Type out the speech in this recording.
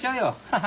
ハハ！